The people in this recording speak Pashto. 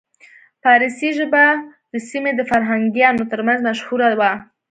پارسي ژبه د سیمې د فرهنګیانو ترمنځ مشهوره وه